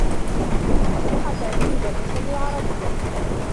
أصبح سامي مدرّسا للعربيّة.